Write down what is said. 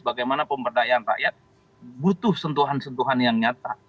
bagaimana pemberdayaan rakyat butuh sentuhan sentuhan yang nyata